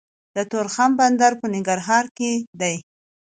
د تورخم بندر په ننګرهار کې دی